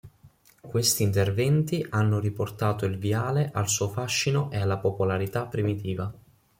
Questi interventi hanno riportato il viale al suo fascino e alla popolarità primitiva.